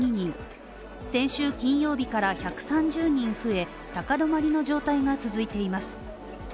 先週金曜日から１３０人増え、高止まりの状態が続いています。